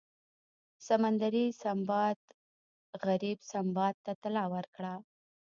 سمندري سنباد غریب سنباد ته طلا ورکړه.